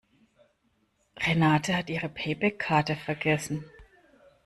Renate hat ihre Payback-Karte vergessen.